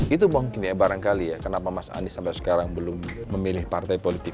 itu mungkin ya barangkali ya kenapa mas anies sampai sekarang belum memilih partai politik